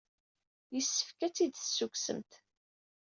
Yessefk ad t-id-tessukksemt.